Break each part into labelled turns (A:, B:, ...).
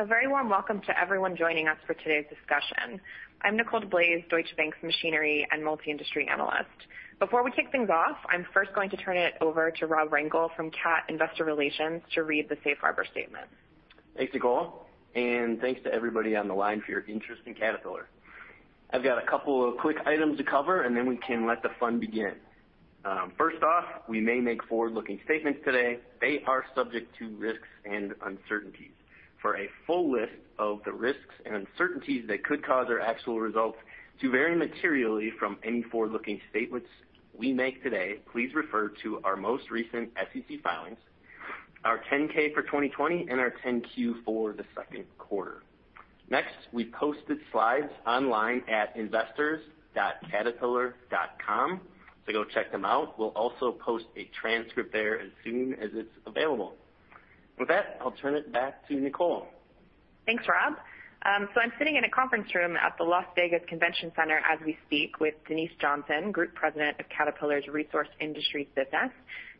A: A very warm welcome to everyone joining us for today's discussion. I'm Nicole DeBlase, Deutsche Bank's machinery and multi-industry analyst. Before we kick things off, I'm first going to turn it over to Rob Rengel from Cat Investor Relations to read the safe harbor statement.
B: Thanks, Nicole, and thanks to everybody on the line for your interest in Caterpillar. I've got a couple of quick items to cover, and then we can let the fun begin. First off, we may make forward-looking statements today. They are subject to risks and uncertainties. For a full list of the risks and uncertainties that could cause our actual results to vary materially from any forward-looking statements we make today, please refer to our most recent SEC filings, our 10-K for 2020, and our 10-Q for the second quarter. Next, we've posted slides online at investors.caterpillar.com, so go check them out. We'll also post a transcript there as soon as it's available. With that, I'll turn it back to Nicole.
A: Thanks, Rob. I'm sitting in a conference room at the Las Vegas Convention Center as we speak with Denise Johnson, Group President of Caterpillar's Resource Industries business.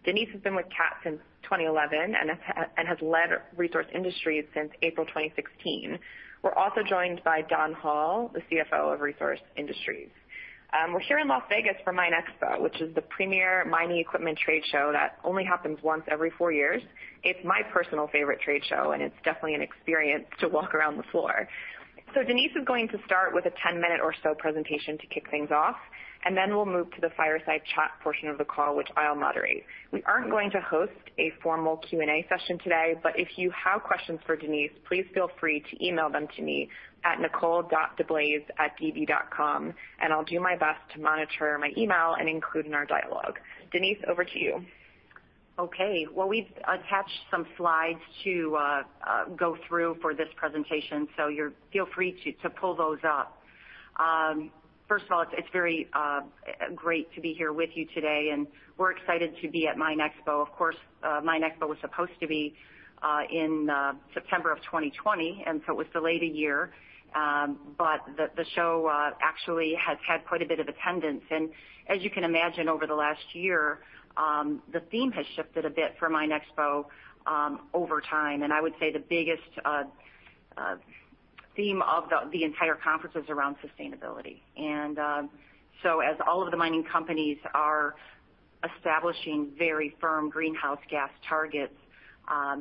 A: Denise has been with Cat since 2011 and has led Resource Industries since April 2016. We're also joined by Don Hall, the CFO of Resource Industries. We're here in Las Vegas for MINExpo, which is the premier mining equipment trade show that only happens once every four years. It's my personal favorite trade show. It's definitely an experience to walk around the floor. Denise is going to start with a 10-minute or so presentation to kick things off, and then we'll move to the fireside chat portion of the call, which I'll moderate. We aren't going to host a formal Q&A session today, but if you have questions for Denise, please feel free to email them to me at nicole.deblase@db.com, and I'll do my best to monitor my email and include in our dialogue. Denise, over to you.
C: Okay. Well, we've attached some slides to go through for this presentation. Feel free to pull those up. First of all, it's very great to be here with you today. We're excited to be at MINExpo INTERNATIONAL. Of course, MINExpo INTERNATIONAL was supposed to be in September of 2020. It was delayed a year. The show actually has had quite a bit of attendance. As you can imagine, over the last year, the theme has shifted a bit for MINExpo INTERNATIONAL over time. I would say the biggest theme of the entire conference is around sustainability. As all of the mining companies are establishing very firm greenhouse gas targets,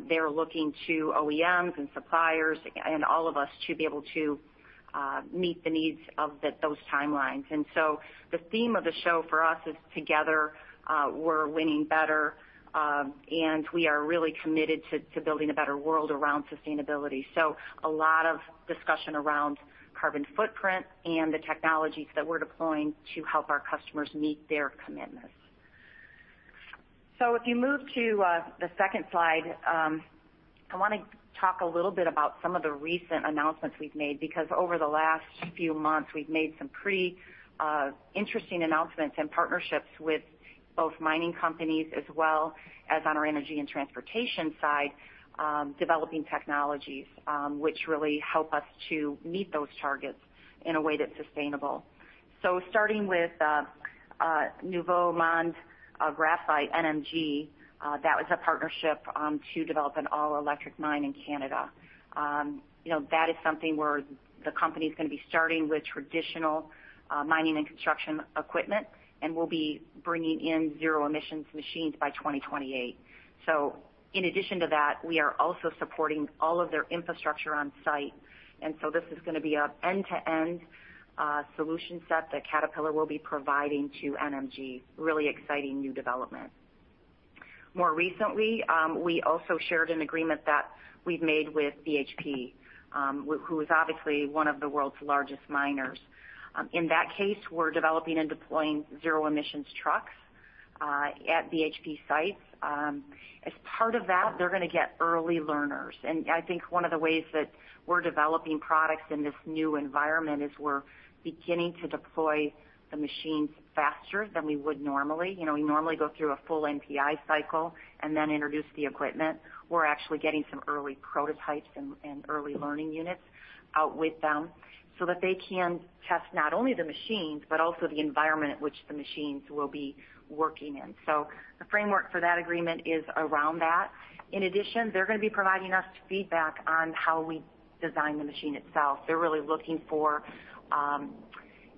C: they're looking to OEMs and suppliers and all of us to be able to meet the needs of those timelines. The theme of the show for us is, Together We're Winning Better. We are really committed to building a better world around sustainability. A lot of discussion around carbon footprint and the technologies that we're deploying to help our customers meet their commitments. If you move to the second slide, I want to talk a little bit about some of the recent announcements we've made, because over the last few months, we've made some pretty interesting announcements and partnerships with both mining companies as well as on our Energy & Transportation side, developing technologies, which really help us to meet those targets in a way that's sustainable. Starting with Nouveau Monde Graphite, NMG, that was a partnership to develop an all-electric mine in Canada. That is something where the company's going to be starting with traditional mining and construction equipment, and we'll be bringing in zero emissions machines by 2028. In addition to that, we are also supporting all of their infrastructure on site. This is going to be an end-to-end solution set that Caterpillar will be providing to NMG. Really exciting new development. More recently, we also shared an agreement that we've made with BHP, who is obviously one of the world's largest miners. In that case, we're developing and deploying zero emissions trucks at BHP sites. As part of that, they're going to get early learners. I think one of the ways that we're developing products in this new environment is we're beginning to deploy the machines faster than we would normally. We normally go through a full NPI cycle and then introduce the equipment. We're actually getting some early prototypes and early learning units out with them so that they can test not only the machines, but also the environment which the machines will be working in. The framework for that agreement is around that. In addition, they're going to be providing us feedback on how we design the machine itself. They're really looking for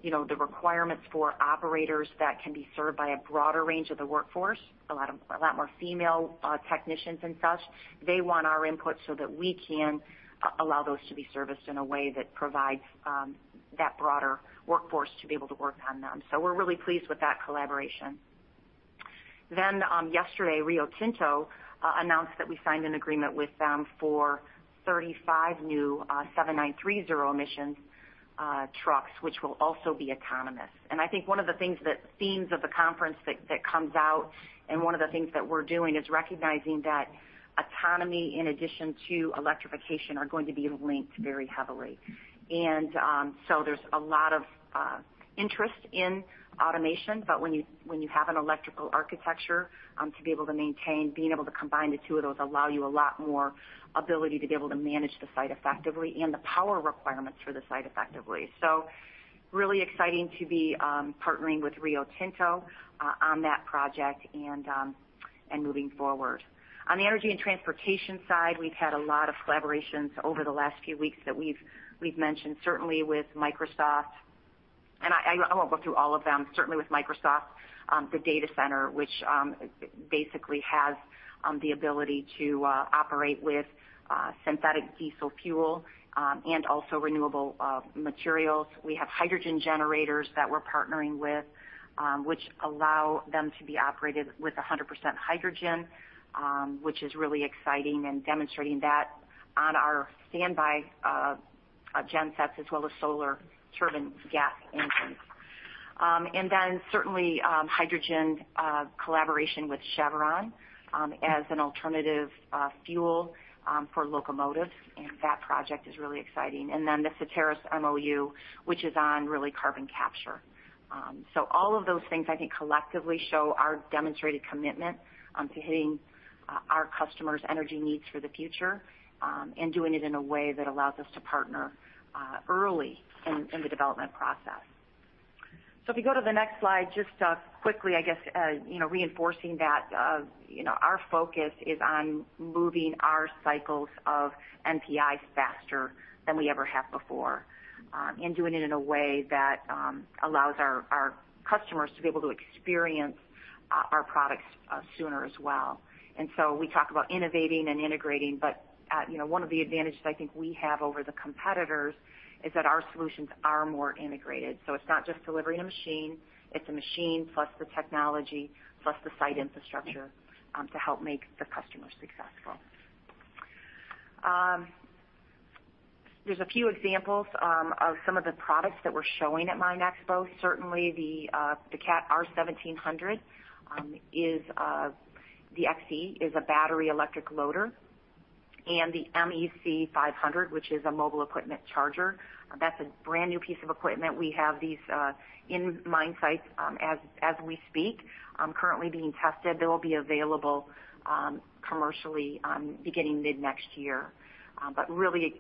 C: the requirements for operators that can be served by a broader range of the workforce, a lot more female technicians and such. They want our input so that we can allow those to be serviced in a way that provides that broader workforce to be able to work on them. We're really pleased with that collaboration. Yesterday, Rio Tinto announced that we signed an agreement with them for 35 new 793 zero emissions trucks, which will also be autonomous. I think one of the themes of the conference that comes out and one of the things that we're doing is recognizing that autonomy in addition to electrification are going to be linked very heavily. There's a lot of interest in automation. When you have an electrical architecture to be able to maintain, being able to combine the two of those allow you a lot more ability to be able to manage the site effectively and the power requirements for the site effectively. Really exciting to be partnering with Rio Tinto on that project and moving forward. On the Energy & Transportation side, we've had a lot of collaborations over the last few weeks that we've mentioned, certainly with Microsoft. I won't go through all of them. With Microsoft, the data center, which basically has the ability to operate with synthetic diesel fuel and also renewable materials. We have hydrogen generators that we're partnering with which allow them to be operated with 100% hydrogen, which is really exciting and demonstrating that on our standby gensets as well as Solar Turbines gas engines. Hydrogen collaboration with Chevron as an alternative fuel for locomotives, and that project is really exciting. The Certarus MOU, which is on really carbon capture. All of those things I think collectively show our demonstrated commitment to hitting our customers' energy needs for the future and doing it in a way that allows us to partner early in the development process. If you go to the next slide, just quickly, I guess, reinforcing that our focus is on moving our cycles of NPIs faster than we ever have before and doing it in a way that allows our customers to be able to experience our products sooner as well. We talk about innovating and integrating, but one of the advantages I think we have over the competitors is that our solutions are more integrated. It's not just delivering a machine, it's a machine plus the technology, plus the site infrastructure to help make the customer successful. There's a few examples of some of the products that we're showing at MINExpo. Certainly, the Cat R1700 XE is a battery electric loader. The MEC500, which is a mobile equipment charger, that's a brand new piece of equipment. We have these in mine sites as we speak, currently being tested. They will be available commercially beginning mid next year. Really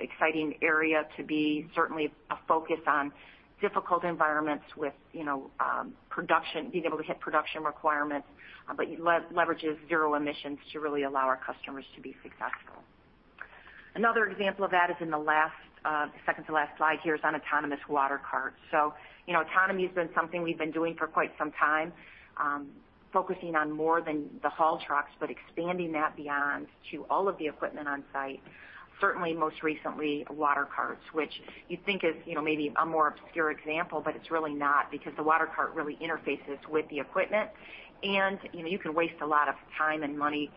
C: exciting area to be certainly a focus on difficult environments with being able to hit production requirements, but leverages zero emissions to really allow our customers to be successful. Another example of that is in the second to last slide here is on autonomous water carts. Autonomy has been something we've been doing for quite some time, focusing on more than the haul trucks, but expanding that beyond to all of the equipment on site. Certainly, most recently, water carts, which you'd think is maybe a more obscure example, but it's really not because the water cart really interfaces with the equipment and you can waste a lot of time and money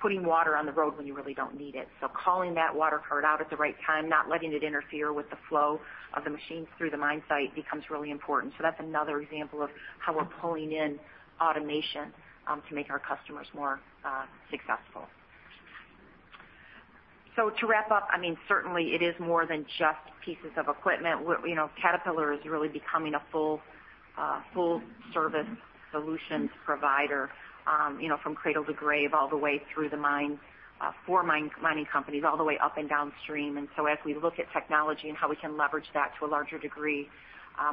C: putting water on the road when you really don't need it. Calling that water cart out at the right time, not letting it interfere with the flow of the machines through the mine site becomes really important. That's another example of how we're pulling in automation to make our customers more successful. To wrap up, certainly it is more than just pieces of equipment. Caterpillar is really becoming a full service solutions provider from cradle to grave, all the way through the mine for mining companies, all the way up and downstream. As we look at technology and how we can leverage that to a larger degree,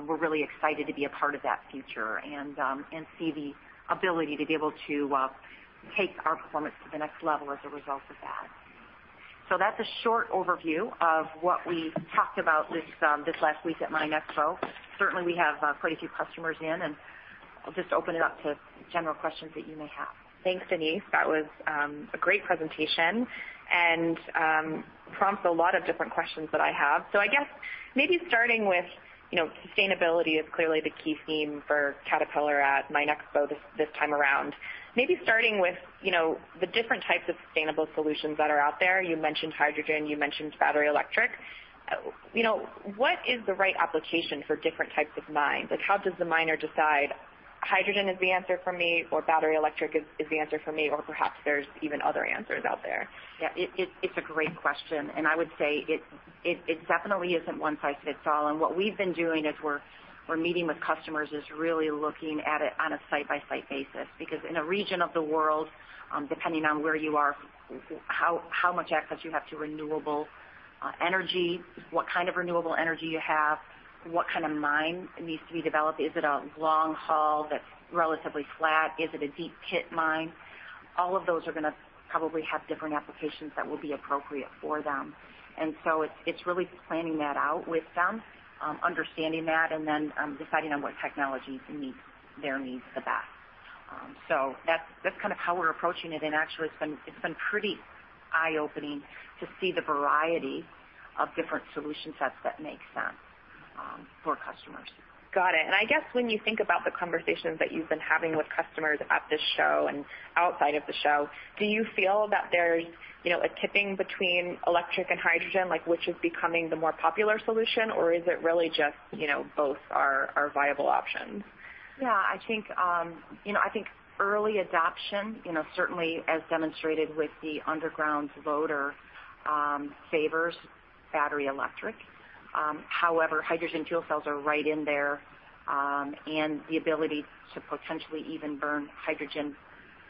C: we're really excited to be a part of that future and see the ability to be able to take our performance to the next level as a result of that. That's a short overview of what we talked about this last week at MINExpo. Certainly, we have quite a few customers in, and I'll just open it up to general questions that you may have.
A: Thanks, Denise. That was a great presentation and prompts a lot of different questions that I have. I guess maybe starting with sustainability is clearly the key theme for Caterpillar at MINExpo this time around. Maybe starting with the different types of sustainable solutions that are out there. You mentioned hydrogen, you mentioned battery electric. What is the right application for different types of mines? How does the miner decide hydrogen is the answer for me, or battery electric is the answer for me, or perhaps there's even other answers out there?
C: Yeah. It's a great question. I would say it definitely isn't one-size-fits-all. What we've been doing as we're meeting with customers is really looking at it on a site-by-site basis. Because in a region of the world, depending on where you are, how much access you have to renewable energy, what kind of renewable energy you have, what kind of mine needs to be developed. Is it a long haul that's relatively flat? Is it a deep pit mine? All of those are going to probably have different applications that will be appropriate for them. It's really planning that out with them, understanding that, and then deciding on what technologies meet their needs the best. That's kind of how we're approaching it, and actually it's been pretty eye-opening to see the variety of different solution sets that make sense for customers.
A: Got it. I guess when you think about the conversations that you've been having with customers at the show and outside of the show, do you feel that there's a tipping between electric and hydrogen, like which is becoming the more popular solution, or is it really just both are viable options?
C: I think early adoption, certainly as demonstrated with the underground loader, favors battery electric. However, hydrogen fuel cells are right in there, and the ability to potentially even burn hydrogen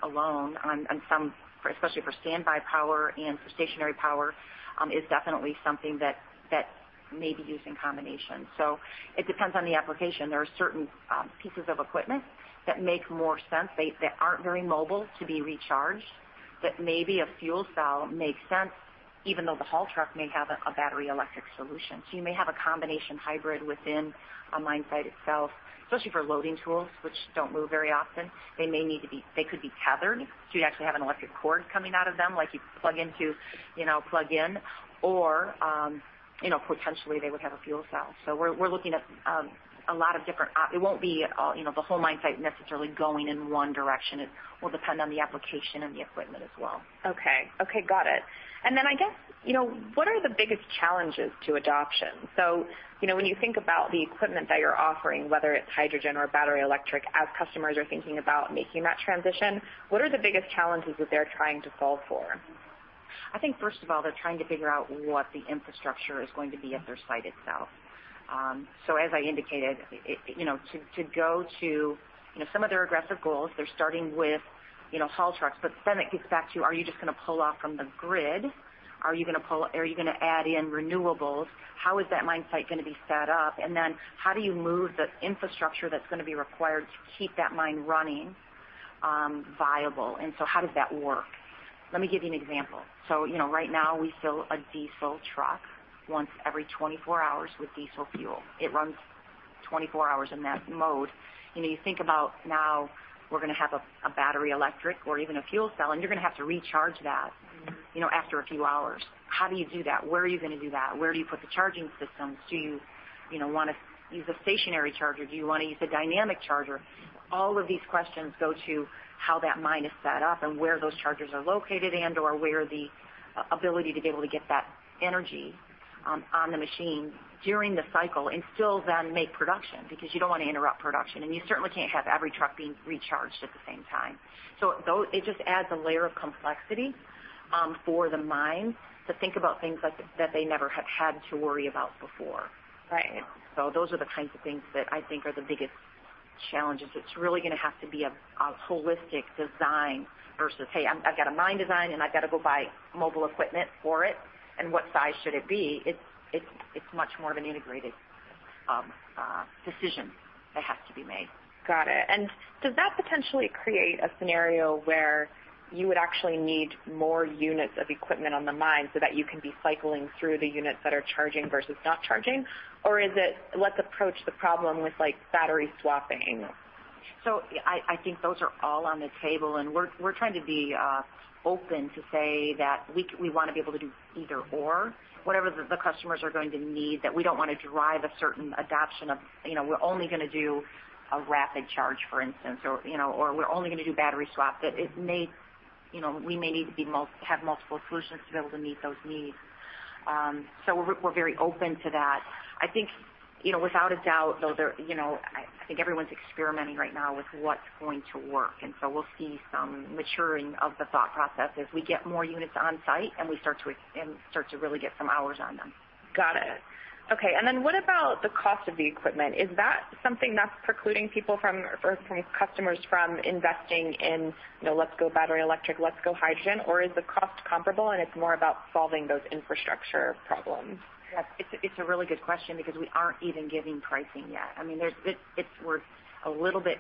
C: alone on some, especially for standby power and for stationary power, is definitely something that may be used in combination. It depends on the application. There are certain pieces of equipment that make more sense, that aren't very mobile to be recharged, that maybe a fuel cell makes sense, even though the haul truck may have a battery electric solution. You may have a combination hybrid within a mine site itself, especially for loading tools, which don't move very often. They could be tethered, so you'd actually have an electric cord coming out of them, like you'd plug in, or potentially they would have a fuel cell. It won't be the whole mine site necessarily going in one direction. It will depend on the application and the equipment as well.
A: Okay. Got it. Then I guess, what are the biggest challenges to adoption? When you think about the equipment that you're offering, whether it's hydrogen or battery electric, as customers are thinking about making that transition, what are the biggest challenges that they're trying to solve for?
C: I think first of all, they're trying to figure out what the infrastructure is going to be at their site itself. As I indicated, to go to some of their aggressive goals, they're starting with haul trucks, it gets back to, are you just going to pull off from the grid? Are you going to add in renewables? How is that mine site going to be set up? How do you move the infrastructure that's going to be required to keep that mine running viable? How does that work? Let me give you an example. Right now we fill a diesel truck once every 24 hours with diesel fuel. It runs 24 hours in that mode. You think about now we're going to have a battery electric or even a fuel cell, and you're going to have to recharge that after a few hours. How do you do that? Where are you going to do that? Where do you put the charging systems? Do you want to use a stationary charger? Do you want to use a dynamic charger? All of these questions go to how that mine is set up and where those chargers are located and/or where the ability to be able to get that energy on the machine during the cycle and still then make production, because you don't want to interrupt production, and you certainly can't have every truck being recharged at the same time. It just adds a layer of complexity for the mine to think about things that they never have had to worry about before.
A: Right.
C: Those are the kinds of things that I think are the biggest challenges. It's really going to have to be a holistic design versus, "Hey, I've got a mine design, and I've got to go buy mobile equipment for it, and what size should it be?" It's much more of an integrated decision that has to be made.
A: Got it. Does that potentially create a scenario where you would actually need more units of equipment on the mine so that you can be cycling through the units that are charging versus not charging? Or is it let's approach the problem with battery swapping?
C: I think those are all on the table, and we're trying to be open to say that we want to be able to do either/or. Whatever the customers are going to need, that we don't want to drive a certain adoption of we're only going to do a rapid charge, for instance, or we're only going to do battery swap. We may need to have multiple solutions to be able to meet those needs. We're very open to that. I think, without a doubt, though, I think everyone's experimenting right now with what's going to work. We'll see some maturing of the thought process as we get more units on site, and we start to really get some hours on them.
A: Got it. Okay, what about the cost of the equipment? Is that something that's precluding customers from investing in let's go battery electric, let's go hydrogen, or is the cost comparable and it's more about solving those infrastructure problems?
C: It's a really good question because we aren't even giving pricing yet. I mean, we're a little bit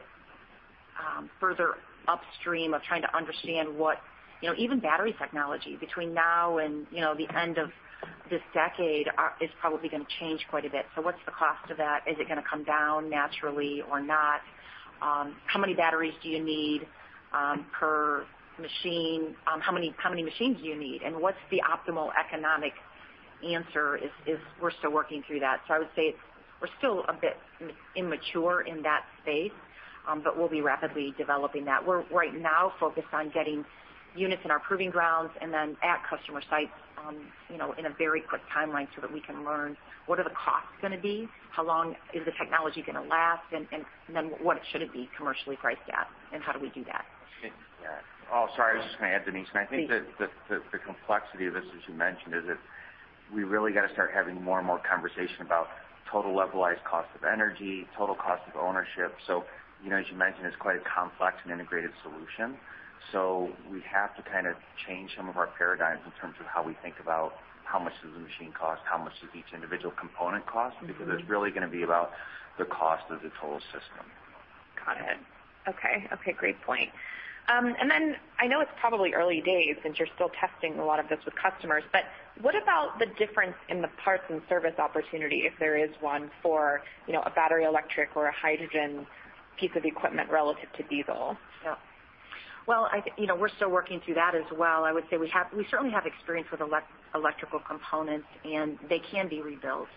C: further upstream of trying to understand. Even battery technology, between now and the end of this decade, is probably going to change quite a bit. What's the cost of that? Is it going to come down naturally or not? How many batteries do you need per machine? How many machines do you need? What's the optimal economic answer is we're still working through that. I would say we're still a bit immature in that space, but we'll be rapidly developing that. We're right now focused on getting units in our proving grounds and then at customer sites in a very quick timeline so that we can learn what are the costs going to be, how long is the technology going to last, and then what it should be commercially priced at, and how do we do that?
D: Yeah. Oh, sorry, I was just going to add, Denise-
A: Please
D: I think the complexity of this, as you mentioned, is that we really got to start having more and more conversation about total levelized cost of energy, total cost of ownership. As you mentioned, it's quite a complex and integrated solution. We have to kind of change some of our paradigms in terms of how we think about how much does the machine cost, how much does each individual component cost, because it's really going to be about the cost of the total system.
A: Got it. Okay. Great point. I know it's probably early days since you're still testing a lot of this with customers, but what about the difference in the parts and service opportunity, if there is one, for a battery electric or a hydrogen piece of equipment relative to diesel?
C: Well, we're still working through that as well. I would say we certainly have experience with electrical components, and they can be rebuilt.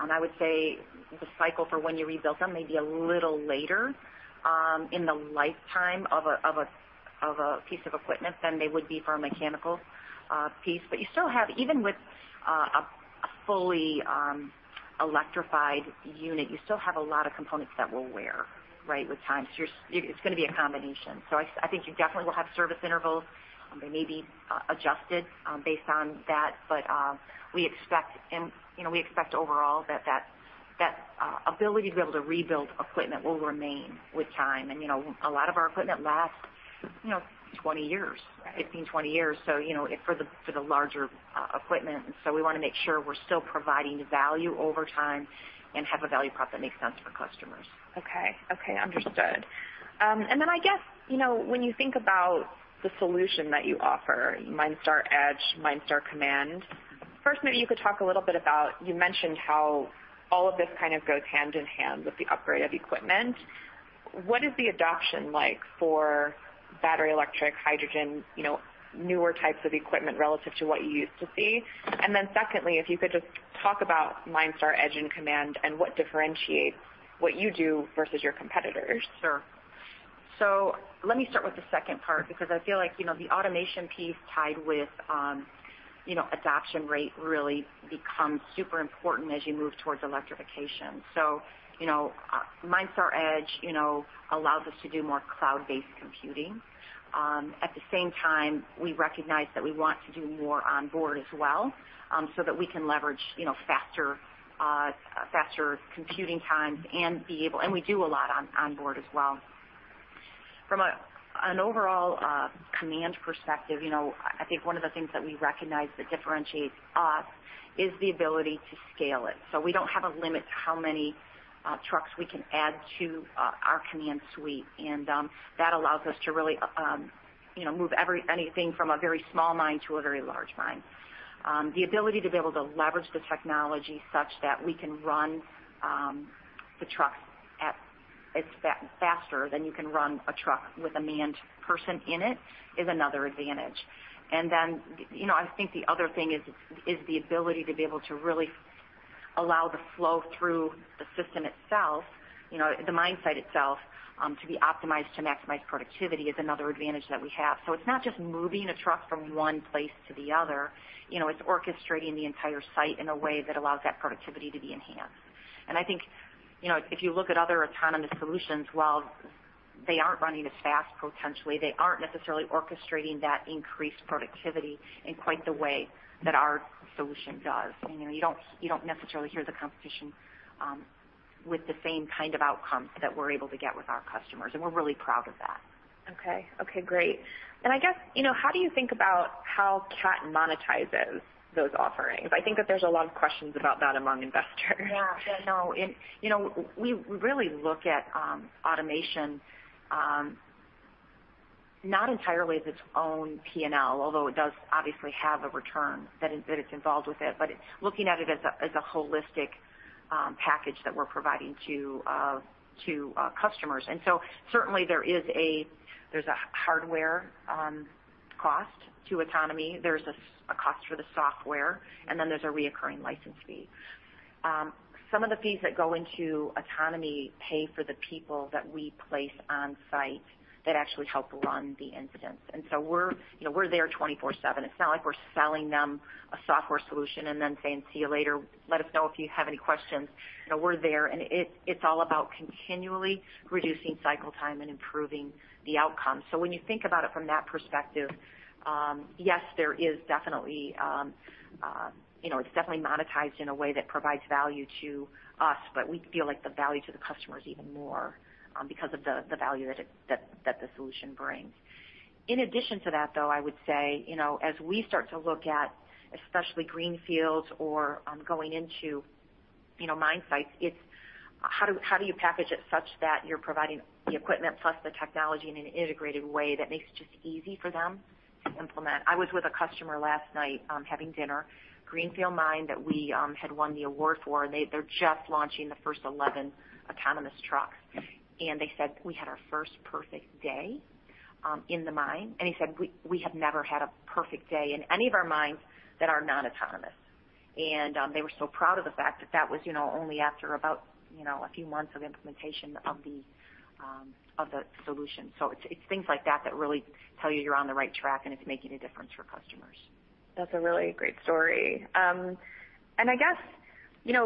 C: I would say the cycle for when you rebuild them may be a little later in the lifetime of a piece of equipment than they would be for a mechanical piece. Even with a fully electrified unit, you still have a lot of components that will wear with time. It's going to be a combination. I think you definitely will have service intervals. They may be adjusted based on that, but we expect overall that ability to be able to rebuild equipment will remain with time. A lot of our equipment lasts 20 years.
A: Right.
C: 15-20 years for the larger equipment. We want to make sure we're still providing value over time and have a value prop that makes sense for customers.
A: Okay. Understood. I guess, when you think about the solution that you offer, Cat MineStar Edge, Cat MineStar Command, first, maybe you could talk a little bit about, you mentioned how all of this kind of goes hand in hand with the upgrade of equipment. What is the adoption like for battery, electric, hydrogen, newer types of equipment relative to what you used to see? Secondly, if you could just talk about Cat MineStar Edge and Command and what differentiates what you do versus your competitors.
C: Sure. Let me start with the second part, because I feel like the automation piece tied with adoption rate really becomes super important as you move towards electrification. MineStar Edge allows us to do more cloud-based computing. At the same time, we recognize that we want to do more onboard as well so that we can leverage faster computing times and we do a lot on onboard as well. From an overall command perspective, I think one of the things that we recognize that differentiates us is the ability to scale it. We don't have a limit to how many trucks we can add to our command suite. That allows us to really move anything from a very small mine to a very large mine. The ability to be able to leverage the technology such that we can run the trucks faster than you can run a truck with a manned person in it is another advantage. I think the other thing is the ability to be able to really allow the flow through the system itself, the mine site itself, to be optimized to maximize productivity is another advantage that we have. It's not just moving a truck from one place to the other. It's orchestrating the entire site in a way that allows that productivity to be enhanced. I think, if you look at other autonomous solutions, while they aren't running as fast, potentially, they aren't necessarily orchestrating that increased productivity in quite the way that our solution does. You don't necessarily hear the competition with the same kind of outcomes that we're able to get with our customers, and we're really proud of that.
A: Okay. Great. I guess, how do you think about how Cat monetizes those offerings? I think that there's a lot of questions about that among investors.
C: No, we really look at automation not entirely as its own P&L, although it does obviously have a return that it's involved with it, but looking at it as a holistic package that we're providing to customers. Certainly there's a hardware cost to autonomy. There's a cost for the software, and then there's a reoccurring license fee. Some of the fees that go into autonomy pay for the people that we place on site that actually help run the instance. We're there 24/7. It's not like we're selling them a software solution and then saying, "See you later. Let us know if you have any questions." We're there, and it's all about continually reducing cycle time and improving the outcome. When you think about it from that perspective, yes, it's definitely monetized in a way that provides value to us, but we feel like the value to the customer is even more because of the value that the solution brings. In addition to that, though, I would say, as we start to look at, especially greenfields or going into mine sites, it's how do you package it such that you're providing the equipment plus the technology in an integrated way that makes it just easy for them to implement. I was with a customer last night having dinner, greenfield mine that we had won the award for, and they're just launching the first 11 autonomous trucks. They said, "We had our first perfect day in the mine." He said, "We have never had a perfect day in any of our mines that are not autonomous." They were so proud of the fact that that was only after about a few months of implementation of the solution. It's things like that that really tell you you're on the right track and it's making a difference for customers.
A: That's a really great story. I guess,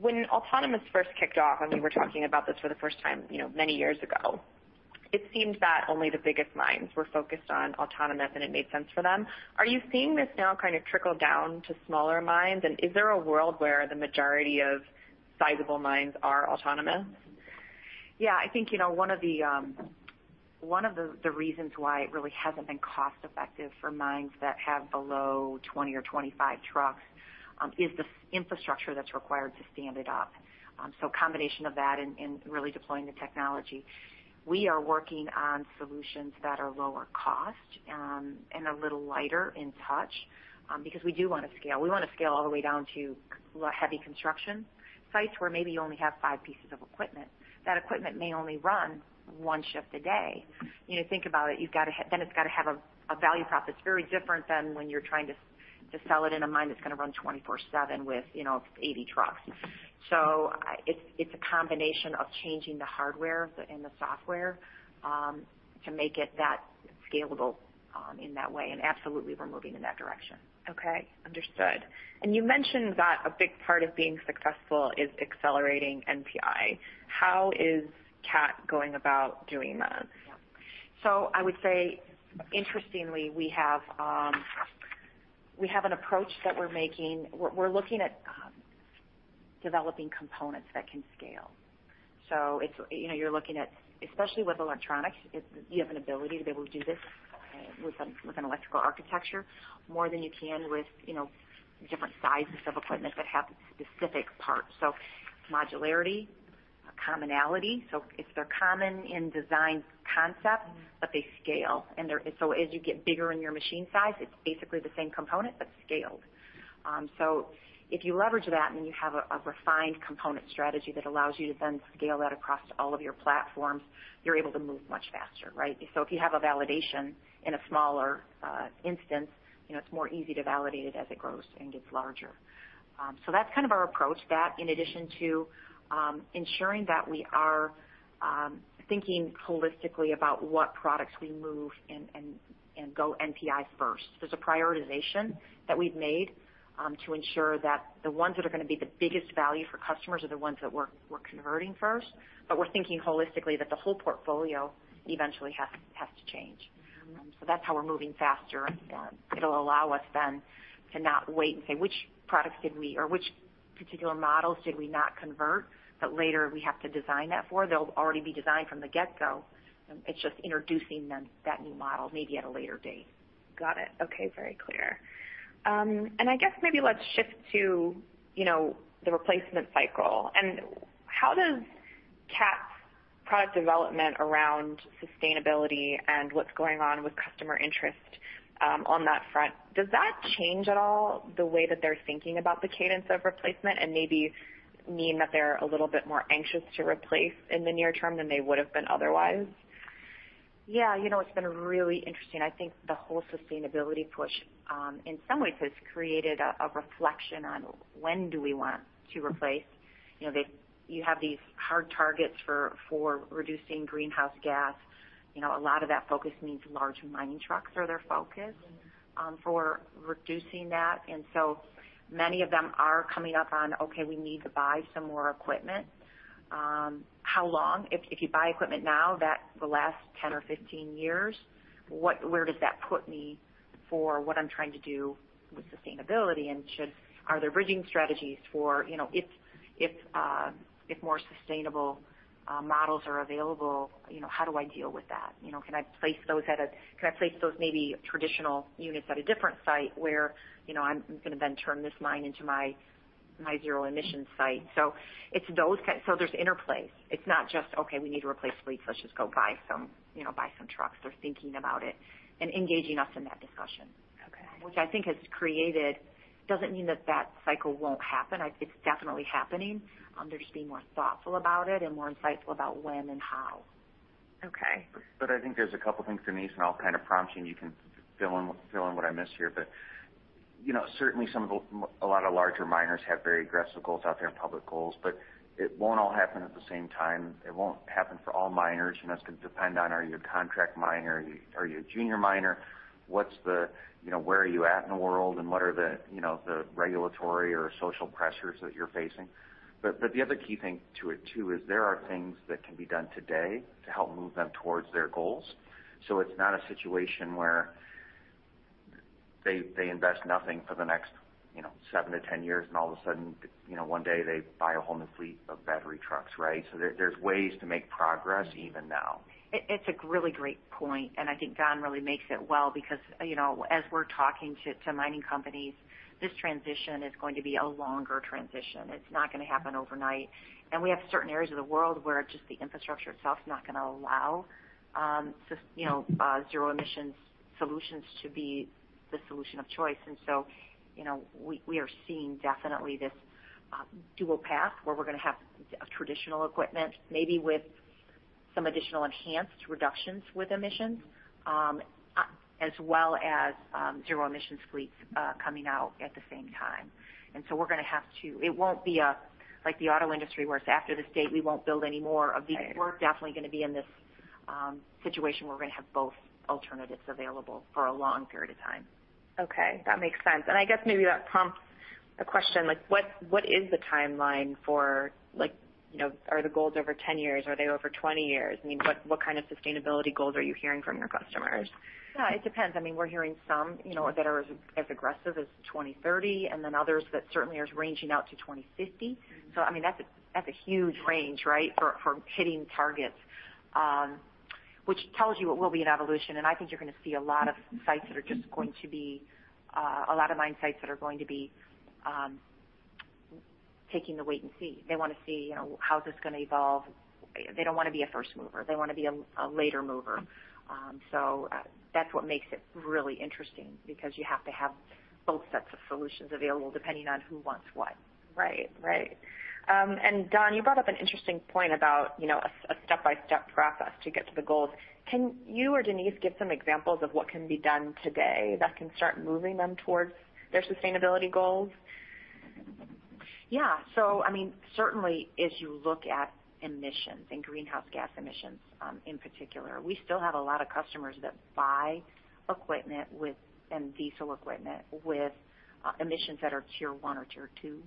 A: when autonomous first kicked off, we were talking about this for the first time many years ago, it seemed that only the biggest mines were focused on autonomous, and it made sense for them. Are you seeing this now kind of trickle down to smaller mines? Is there a world where the majority of sizable mines are autonomous?
C: Yeah, I think one of the reasons why it really hasn't been cost-effective for mines that have below 20 or 25 trucks is the infrastructure that's required to stand it up. Combination of that and really deploying the technology. We are working on solutions that are lower cost and a little lighter in touch because we do want to scale. We want to scale all the way down to heavy construction sites where maybe you only have five pieces of equipment. That equipment may only run one shift a day. Think about it. It's got to have a value prop that's very different than when you're trying to sell it in a mine that's going to run 24/7 with 80 trucks. It's a combination of changing the hardware and the software to make it that scalable in that way, and absolutely we're moving in that direction.
A: Okay. Understood. You mentioned that a big part of being successful is accelerating NPI. How is Cat going about doing that?
C: Yeah. I would say, interestingly, We have an approach that we're making. We're looking at developing components that can scale. You're looking at, especially with electronics, you have an ability to be able to do this with an electrical architecture more than you can with different sizes of equipment that have specific parts. Modularity, commonality. If they're common in design concept, but they scale. As you get bigger in your machine size, it's basically the same component, but scaled. If you leverage that and you have a refined component strategy that allows you to then scale that across all of your platforms, you're able to move much faster, right? If you have a validation in a smaller instance, it's more easy to validate it as it grows and gets larger. That's kind of our approach. That, in addition to ensuring that we are thinking holistically about what products we move and go NPI first. There's a prioritization that we've made to ensure that the ones that are going to be the biggest value for customers are the ones that we're converting first. We're thinking holistically that the whole portfolio eventually has to change. That's how we're moving faster, and it'll allow us then to not wait and say, "Which products did we, or which particular models did we not convert that later we have to design that for?" They'll already be designed from the get-go. It's just introducing them, that new model, maybe at a later date.
A: Got it. Okay, very clear. I guess maybe let's shift to the replacement cycle and how does Cat's product development around sustainability and what's going on with customer interest on that front, does that change at all the way that they're thinking about the cadence of replacement and maybe mean that they're a little bit more anxious to replace in the near term than they would've been otherwise?
C: It's been really interesting. I think the whole sustainability push, in some ways, has created a reflection on when do we want to replace. You have these hard targets for reducing greenhouse gas. A lot of that focus means large mining trucks are their focus for reducing that. Many of them are coming up on, "Okay, we need to buy some more equipment." How long, if you buy equipment now that will last 10 or 15 years, where does that put me for what I'm trying to do with sustainability, and are there bridging strategies for if more sustainable models are available, how do I deal with that? Can I place those maybe traditional units at a different site where I'm going to then turn this mine into my zero emission site? There's interplays. It's not just, okay, we need to replace fleets, let's just go buy some trucks. They're thinking about it and engaging us in that discussion.
A: Okay.
C: Which I think has created, doesn't mean that that cycle won't happen. It's definitely happening. They're just being more thoughtful about it and more insightful about when and how.
A: Okay.
D: I think there's a couple things, Denise, and I'll kind of prompt you and you can fill in what I miss here. Certainly a lot of larger miners have very aggressive goals out there, public goals, but it won't all happen at the same time. It won't happen for all miners. It's going to depend on, are you a contract miner? Are you a junior miner? Where are you at in the world, and what are the regulatory or social pressures that you're facing? The other key thing to it, too, is there are things that can be done today to help move them towards their goals. It's not a situation where they invest nothing for the next seven to 10 years, and all of a sudden, one day they buy a whole new fleet of battery trucks, right? There's ways to make progress even now.
C: It's a really great point, and I think Don really makes it well because, as we're talking to mining companies, this transition is going to be a longer transition. It's not going to happen overnight. We have certain areas of the world where just the infrastructure itself is not going to allow zero emissions solutions to be the solution of choice. We are seeing definitely this dual path where we're going to have traditional equipment, maybe with some additional enhanced reductions with emissions, as well as zero emissions fleets coming out at the same time. We're going to have two. It won't be like the auto industry, where it's after this date, we won't build any more of these.
A: Right.
C: We're definitely going to be in this situation where we're going to have both alternatives available for a long period of time.
A: Okay, that makes sense. I guess maybe that prompts a question like, what is the timeline for, are the goals over 10 years? Are they over 20 years? What kind of sustainability goals are you hearing from your customers?
C: Yeah, it depends. We're hearing some that are as aggressive as 2030, and then others that certainly are ranging out to 2050. That's a huge range for hitting targets. Which tells you it will be an evolution, and I think you're going to see a lot of mine sites that are going to be taking the wait and see. They want to see how this is going to evolve. They don't want to be a first mover. They want to be a later mover. That's what makes it really interesting because you have to have both sets of solutions available depending on who wants what.
A: Right. Don, you brought up an interesting point about a step-by-step process to get to the goals. Can you or Denise give some examples of what can be done today that can start moving them towards their sustainability goals?
C: Certainly, as you look at emissions and greenhouse gas emissions in particular, we still have a lot of customers that buy equipment and diesel equipment with emissions that are Tier 1 or Tier 2,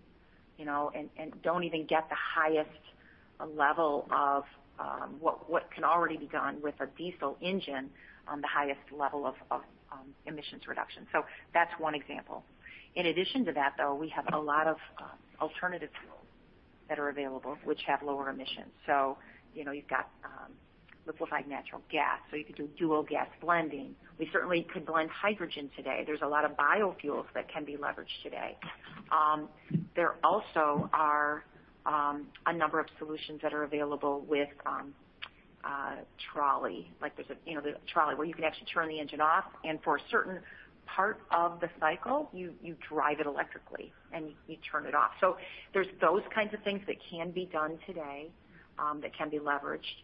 C: and don't even get the highest level of what can already be done with a diesel engine on the highest level of emissions reduction. That's one example. In addition to that, though, we have a lot of alternative fuels that are available, which have lower emissions. You've got liquefied natural gas, so you could do dual gas blending. We certainly could blend hydrogen today. There's a lot of biofuels that can be leveraged today. There also are a number of solutions that are available with trolley, where you can actually turn the engine off, and for a certain part of the cycle, you drive it electrically and you turn it off. There's those kinds of things that can be done today, that can be leveraged.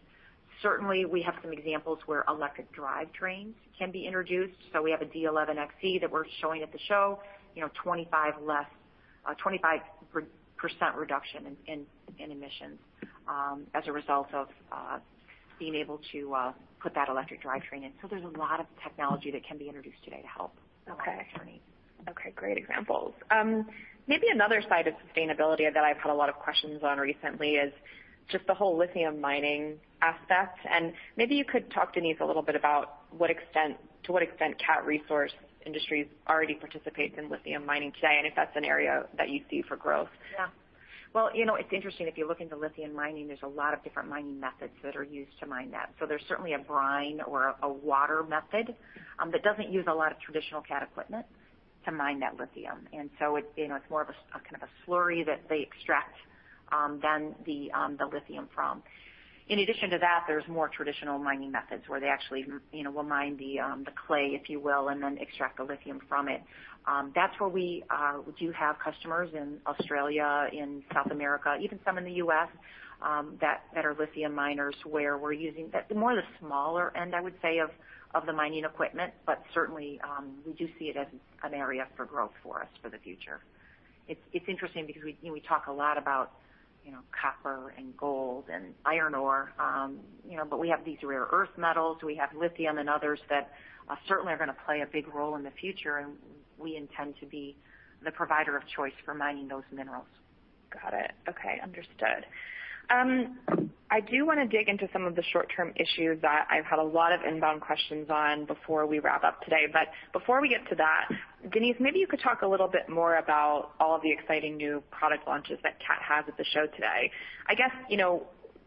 C: Certainly, we have some examples where electric drivetrains can be introduced. We have a D11 XE that we're showing at the show. 25% reduction in emissions as a result of being able to put that electric drivetrain in. There's a lot of technology that can be introduced today to help.
A: Okay. Great examples. Maybe another side of sustainability that I've had a lot of questions on recently is just the whole lithium mining aspect. Maybe you could talk, Denise, a little bit about to what extent Cat Resource Industries already participates in lithium mining today, and if that's an area that you see for growth.
C: Yeah. Well, it's interesting, if you look into lithium mining, there's a lot of different mining methods that are used to mine that. There's certainly a brine or a water method that doesn't use a lot of traditional Cat equipment to mine that lithium. It's more of a kind of a slurry that they extract then the lithium from. In addition to that, there's more traditional mining methods where they actually will mine the clay, if you will, and then extract the lithium from it. That's where we do have customers in Australia, in South America, even some in the U.S., that are lithium miners where we're using more the smaller end, I would say, of the mining equipment. Certainly, we do see it as an area for growth for us for the future. It's interesting because we talk a lot about copper and gold and iron ore. We have these rare earth metals. We have lithium and others that certainly are going to play a big role in the future, and we intend to be the provider of choice for mining those minerals.
A: Got it. Okay, understood. I do want to dig into some of the short-term issues that I've had a lot of inbound questions on before we wrap up today. Before we get to that, Denise, maybe you could talk a little bit more about all of the exciting new product launches that Cat has at the show today. I guess,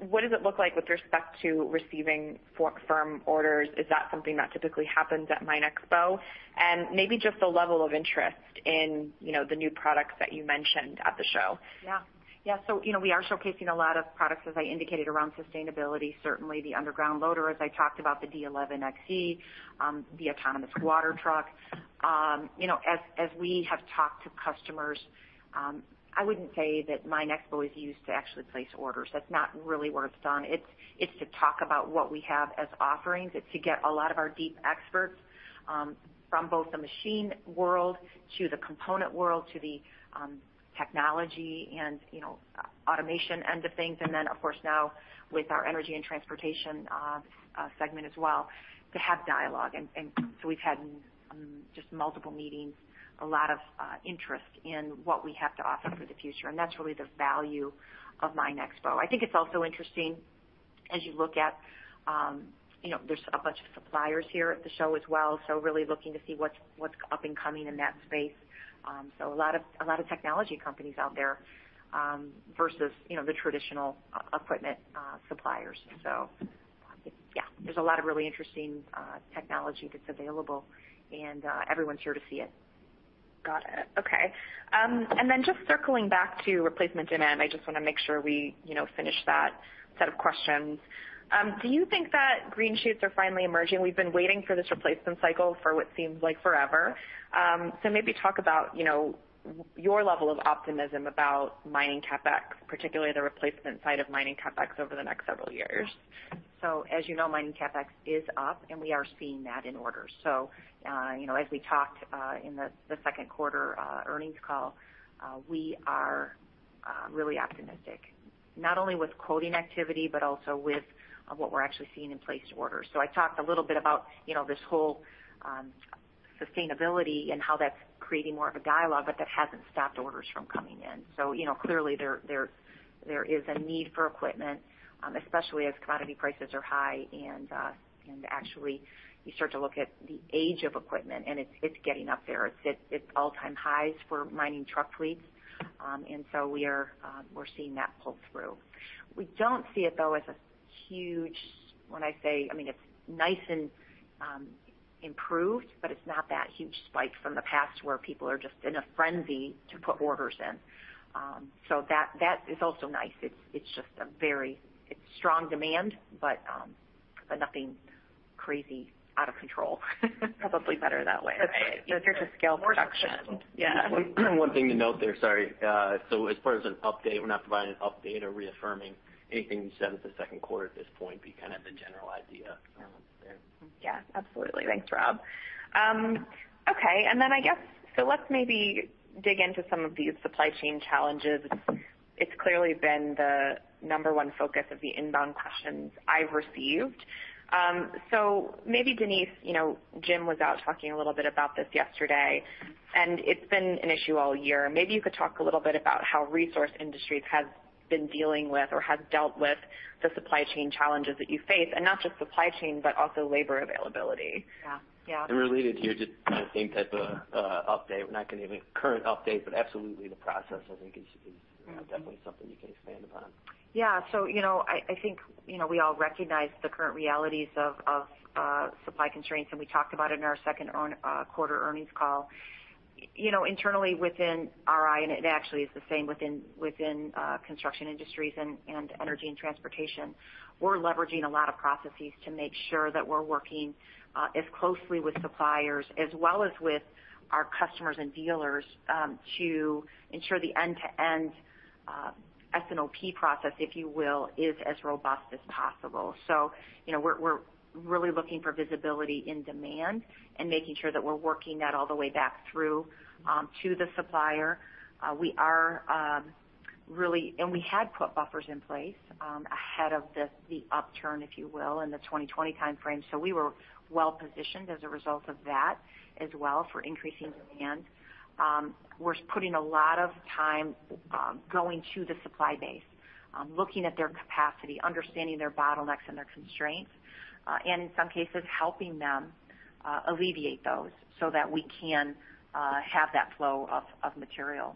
A: what does it look like with respect to receiving firm orders? Is that something that typically happens at MINExpo? Maybe just the level of interest in the new products that you mentioned at the show.
C: Yeah. We are showcasing a lot of products, as I indicated, around sustainability. Certainly, the underground loader, as I talked about, the D11 XE, the autonomous water truck. As we have talked to customers, I wouldn't say that MINExpo is used to actually place orders. That's not really where it's done. It's to talk about what we have as offerings. It's to get a lot of our deep experts from both the machine world to the component world, to the technology and automation end of things. Of course, now with our Energy & Transportation segment as well, to have dialogue. We've had just multiple meetings, a lot of interest in what we have to offer for the future, and that's really the value of MINExpo. I think it's also interesting as you look at, there's a bunch of suppliers here at the show as well, so really looking to see what's up and coming in that space. A lot of technology companies out there, versus the traditional equipment suppliers. Yeah, there's a lot of really interesting technology that's available and everyone's here to see it.
A: Got it. Okay. Just circling back to replacement demand, I just want to make sure we finish that set of questions. Do you think that green shoots are finally emerging? We've been waiting for this replacement cycle for what seems like forever. Maybe talk about your level of optimism about mining CapEx, particularly the replacement side of mining CapEx over the next several years.
C: As you know, mining CapEx is up, and we are seeing that in orders. As we talked in the second quarter earnings call, we are really optimistic, not only with quoting activity, but also with what we're actually seeing in placed orders. I talked a little bit about this whole sustainability and how that's creating more of a dialogue, but that hasn't stopped orders from coming in. Clearly there is a need for equipment, especially as commodity prices are high and actually you start to look at the age of equipment and it's getting up there. It's all-time highs for mining truck fleets. We're seeing that pull through. We don't see it, though, as a huge, when I say, I mean, it's nice and improved, but it's not that huge spike from the past where people are just in a frenzy to put orders in. That is also nice. It's strong demand, but nothing crazy out of control.
A: Probably better that way.
C: That's right.
A: There's a scaled production. Yeah.
B: One thing to note there, sorry. As far as an update, we're not providing an update or reaffirming anything you said at the second quarter at this point, but you kind of have the general idea.
A: Yeah, absolutely. Thanks, Rob. Let's maybe dig into some of these supply chain challenges. It's clearly been the number 1 focus of the inbound questions I've received. Maybe Denise, Jim was out talking a little bit about this yesterday, and it's been an issue all year. Maybe you could talk a little bit about how Resource Industries has been dealing with or has dealt with the supply chain challenges that you face, and not just supply chain, but also labor availability.
C: Yeah.
D: Related to your same type of update, not going to give a current update, but absolutely the process, I think is definitely something you can expand upon.
C: Yeah. I think we all recognize the current realities of supply constraints, and we talked about it in our second quarter earnings call. Internally within RI, it actually is the same within Construction Industries and Energy & Transportation, we're leveraging a lot of processes to make sure that we're working as closely with suppliers as well as with our customers and dealers to ensure the end-to-end S&OP process, if you will, is as robust as possible. We're really looking for visibility in demand and making sure that we're working that all the way back through to the supplier. We had put buffers in place ahead of the upturn, if you will, in the 2020 timeframe. We were well-positioned as a result of that as well for increasing demand. We're putting a lot of time going to the supply base, looking at their capacity, understanding their bottlenecks and their constraints, and in some cases, helping them alleviate those so that we can have that flow of material.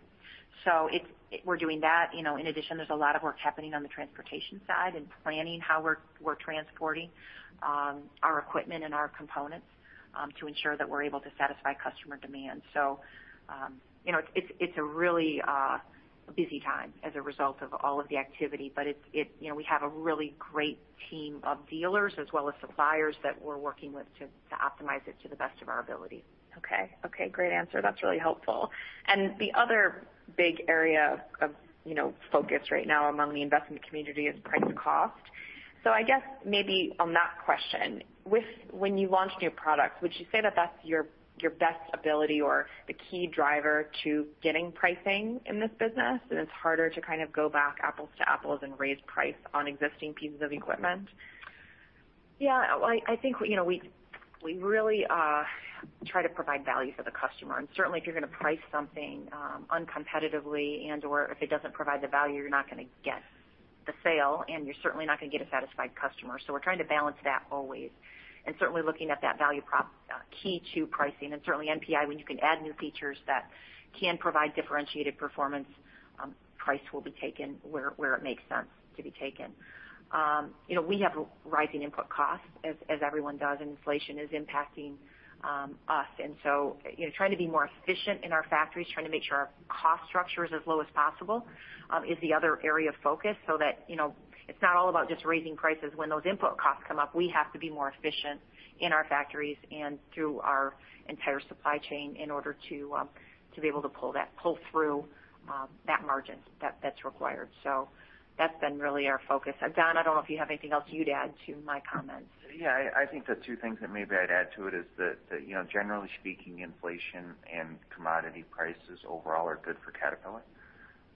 C: We're doing that. In addition, there's a lot of work happening on the transportation side and planning how we're transporting our equipment and our components to ensure that we're able to satisfy customer demand. It's a really busy time as a result of all of the activity, but we have a really great team of dealers as well as suppliers that we're working with to optimize it to the best of our ability.
A: Okay. Great answer. That's really helpful. The other big area of focus right now among the investment community is price cost. I guess maybe on that question, when you launch new products, would you say that that's your best ability or the key driver to getting pricing in this business, and it's harder to kind of go back apples to apples and raise price on existing pieces of equipment?
C: Yeah, I think we really try to provide value for the customer, and certainly if you're going to price something uncompetitively and/or if it doesn't provide the value, you're not going to get the sale, and you're certainly not going to get a satisfied customer. We're trying to balance that always, and certainly looking at that value prop key to pricing. Certainly NPI, when you can add new features that can provide differentiated performance, price will be taken where it makes sense to be taken. We have rising input costs, as everyone does, and inflation is impacting us. Trying to be more efficient in our factories, trying to make sure our cost structure is as low as possible is the other area of focus so that it's not all about just raising prices when those input costs come up. We have to be more efficient in our factories and through our entire supply chain in order to be able to pull through that margin that's required. That's been really our focus. Don, I don't know if you have anything else you'd add to my comments.
D: Yeah, I think the two things that maybe I'd add to it is that, generally speaking, inflation and commodity prices overall are good for Caterpillar.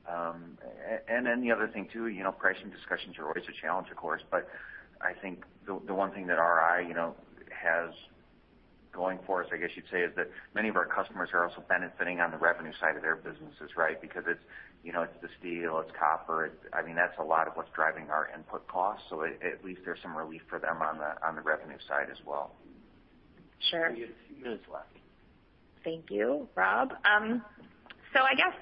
D: The other thing, too, pricing discussions are always a challenge, of course, but I think the one thing that RI has going for us, I guess you'd say, is that many of our customers are also benefiting on the revenue side of their businesses, right? It's the steel, it's copper. That's a lot of what's driving our input costs. At least there's some relief for them on the revenue side as well.
A: Sure.
B: We have two minutes left.
A: Thank you, Rob. I guess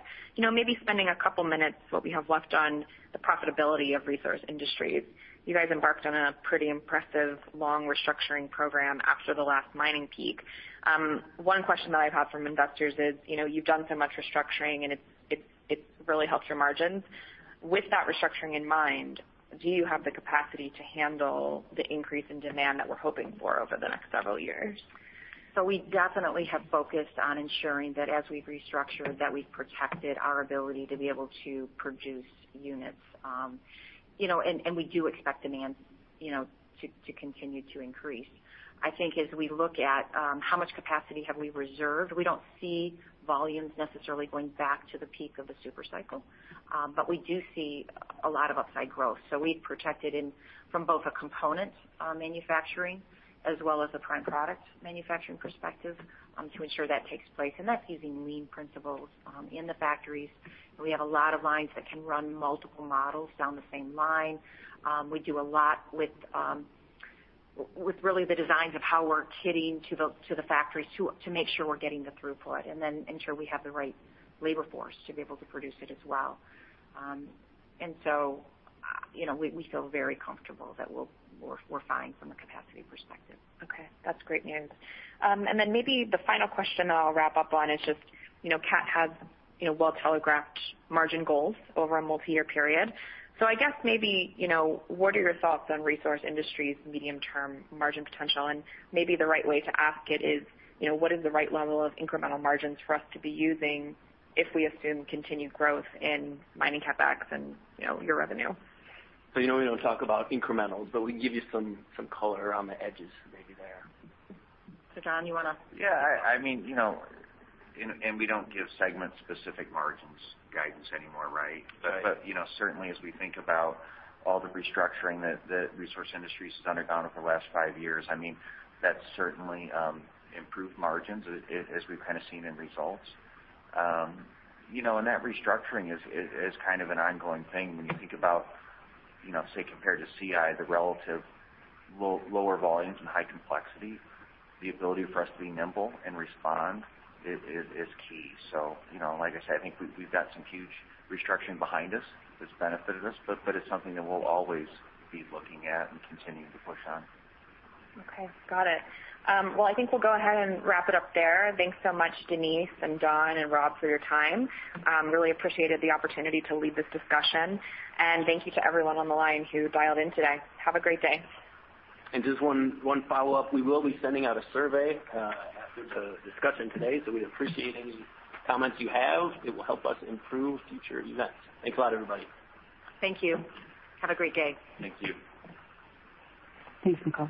A: maybe spending a couple of minutes what we have left on the profitability of Resource Industries. You guys embarked on a pretty impressive long restructuring program after the last mining peak. One question that I've had from investors is, you've done so much restructuring, and it really helps your margins. With that restructuring in mind, do you have the capacity to handle the increase in demand that we're hoping for over the next several years?
C: We definitely have focused on ensuring that as we've restructured, that we've protected our ability to be able to produce units. We do expect demand to continue to increase. I think as we look at how much capacity have we reserved, we don't see volumes necessarily going back to the peak of the super cycle, but we do see a lot of upside growth. We've protected from both a component manufacturing as well as a prime product manufacturing perspective to ensure that takes place, and that's using lean principles in the factories. We have a lot of lines that can run multiple models down the same line. We do a lot with really the designs of how we're kitting to the factories to make sure we're getting the throughput and then ensure we have the right labor force to be able to produce it as well. We feel very comfortable that we're fine from a capacity perspective.
A: Okay. That's great news. Maybe the final question I'll wrap up on is just, Cat has well-telegraphed margin goals over a multi-year period. I guess maybe, what are your thoughts on Resource Industries medium-term margin potential? Maybe the right way to ask it is, what is the right level of incremental margins for us to be using if we assume continued growth in mining CapEx and your revenue?
D: We don't talk about incrementals, but we can give you some color on the edges maybe there.
A: Don, you want to-
D: Yeah. We don't give segment-specific margins guidance anymore, right?
A: Right.
D: Certainly as we think about all the restructuring that Resource Industries has undergone over the last five years, that's certainly improved margins as we've kind of seen in results. That restructuring is kind of an ongoing thing. When you think about, say, compared to CI, the relative lower volumes and high complexity, the ability for us to be nimble and respond is key. Like I said, I think we've got some huge restructuring behind us that's benefited us, but it's something that we'll always be looking at and continuing to push on.
A: Okay. Got it. Well, I think we'll go ahead and wrap it up there. Thanks so much, Denise and Don and Rob, for your time. Really appreciated the opportunity to lead this discussion. Thank you to everyone on the line who dialed in today. Have a great day.
B: Just one follow-up. We will be sending out a survey after the discussion today, so we'd appreciate any comments you have. It will help us improve future events. Thanks a lot, everybody.
A: Thank you. Have a great day.
D: Thank you.
C: Thanks, Nicole.